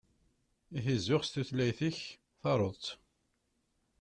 Ihi zuxx s tutlayt-ik, taruḍ-tt!